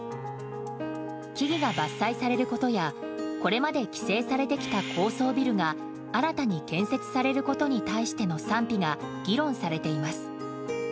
木々が伐採されることやこれまで規制されてきた高層ビルが新たに建設されることに対しての賛否が議論されています。